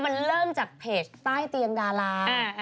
มันเริ่มจากเพจใต้เตียงดารา